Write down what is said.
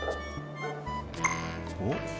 おっ？